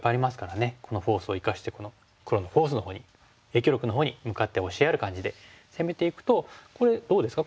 このフォースを生かしてこの黒のフォースのほうに影響力のほうに向かって押しやる感じで攻めていくとこれどうですか